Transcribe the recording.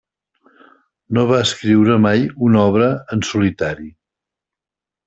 No va escriure mai una obra en solitari.